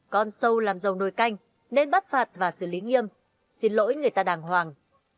con sâu làm dầu nồi canh nên bắt phạt và xử lý nghiêm xin lỗi người ta đàng hoàng